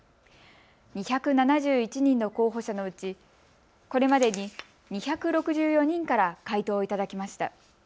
２７１人の候補者のうちこれまでに２６４人から回答を頂きました。